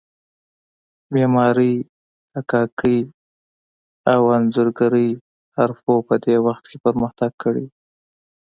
معمارۍ، حکاکۍ او انځورګرۍ حرفو په دې وخت کې پرمختګ کړی و.